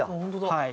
はい。